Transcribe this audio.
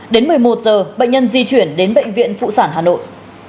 đến một mươi một giờ bệnh nhân di chuyển đến bệnh viện phụ sản hà nội